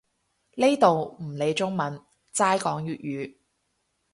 呢度唔理中文，齋講粵語